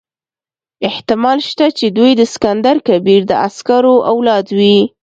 احتمال شته چې دوی د سکندر کبیر د عسکرو اولاد وي.